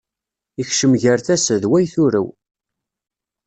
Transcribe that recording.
Ikcem gar tasa,d way turew.